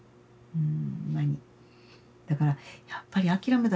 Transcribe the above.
うん。